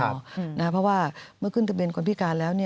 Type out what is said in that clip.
เพราะว่าเมื่อขึ้นทะเบียนคนพิการแล้ว